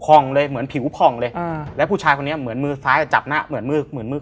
คลองเลยเหมือนผิวคลองเลยอืมแล้วผู้ชายคนนี้เหมือนมือซ้ายจับหน้าเหมือนมือ